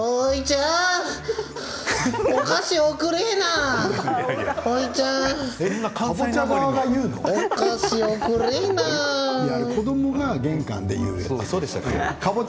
あれは子どもが玄関で言うやつ。